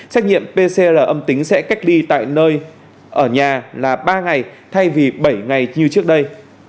xét nghiệm pcr âm tính sẽ cách ly tại nơi ở nhà là ba ngày thay vì bảy ngày như trước đây